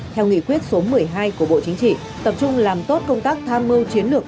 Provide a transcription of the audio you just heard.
theo nghị quyết số một mươi hai của bộ chính trị tập trung làm tốt công tác tham mưu chiến lược